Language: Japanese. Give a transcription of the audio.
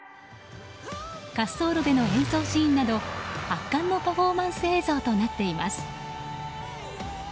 滑走路での演奏シーンなど圧巻のパフォーマンス映像となっています。